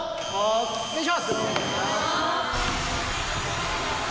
お願いします！